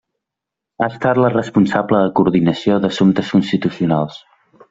Ha estat la responsable de coordinació d’assumptes constitucionals.